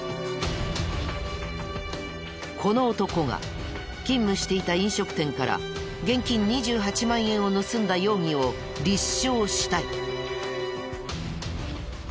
この男が勤務していた飲食店から現金２８万円を盗んだ容疑を立証したい。